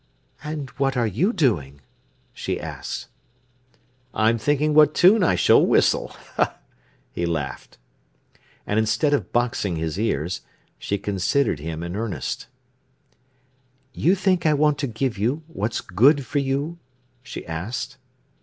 "And what are you doing?" she asked. "I'm thinking what tune I shall whistle," he laughed. And instead of boxing his ears, she considered him in earnest. "You think I want to give you what's good for you?" she asked.